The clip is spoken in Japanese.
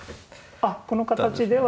あっこの形では。